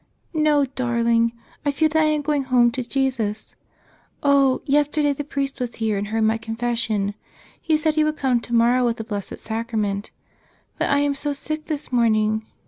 "No, darling. I feel that I am going home to Jesus. Oh, yesterday the priest was here and heard my con¬ fession. He said he would come tomorrow with the Blessed Sacrament. But I am so sick this morning.